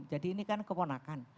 jadi ini kan keponakan